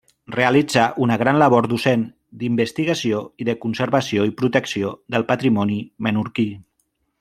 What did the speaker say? Realitzà una gran labor docent, d'investigació, i de conservació i protecció del patrimoni menorquí.